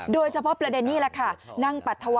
โดยเฉพาะประเด็นนี้แหละค่ะ